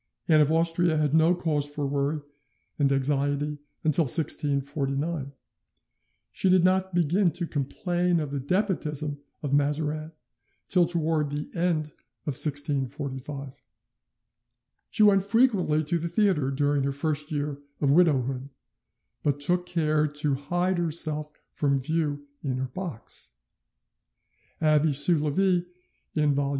Anne of Austria had no cause for worry and anxiety till 1649. She did not begin to complain of the despotism of Mazarin till towards the end of 1645" (Ibid., viol. i. pp. 272, 273). "She went frequently to the theatre during her first year of widowhood, but took care to hide herself from view in her box." (Ibid., vol. i. p. 342). Abbe Soulavie, in vol.